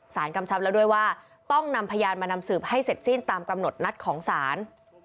กำชับแล้วด้วยว่าต้องนำพยานมานำสืบให้เสร็จสิ้นตามกำหนดนัดของศาล